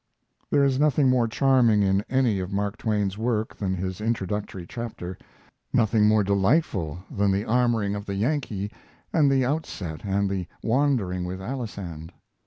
There is nothing more charming in any of Mark Twain's work than his introductory chapter, nothing more delightful than the armoring of the Yankee and the outset and the wandering with Alisande.